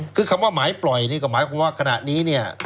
คือคำว่าหมายปล่อยนี่ก็หมายความว่าขณะนี้เนี่ย